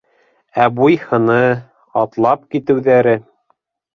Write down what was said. Ә буй-һыны, атлап китеүҙәре...